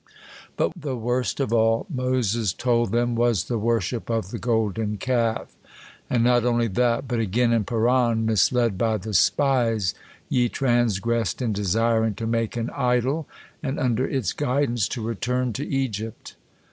"But the worst of all," Moses told them, "was the worship of the Golden Calf. And not only that, but again in Paran, misled by the spies, ye transgressed in desiring to make an idol, and under its guidance to return to Egypt."